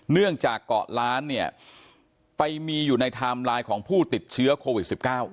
เนื่องจากเกาะล้านเนี่ยไปมีอยู่ในไทม์ไลน์ของผู้ติดเชื้อโควิด๑๙